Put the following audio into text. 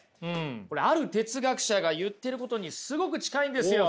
これある哲学者が言ってることにすごく近いんですよ！